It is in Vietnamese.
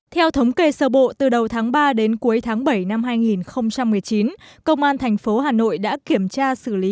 theo thống kê sở bộ từ đầu tháng ba đến cuối tháng bảy năm hai nghìn một mươi chín công an tp hà nội đã kiểm tra xử lý